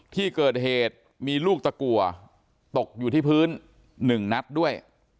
ที่เกิดเหตุมีลูกตะกัวตกอยู่ที่พื้น๑นัดด้วย